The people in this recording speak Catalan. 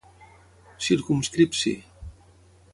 Circumscripci